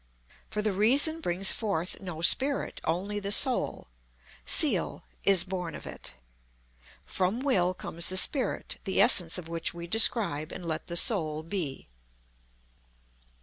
For the Reason brings forth no spirit, only the Soul (Seel) is born of it from Will comes the Spirit, the essence of which we describe and let the Soul be."